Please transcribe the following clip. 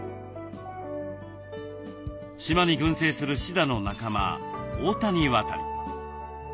島に群生するシダの仲間オオタニワタリ。